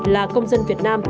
là công dân việt nam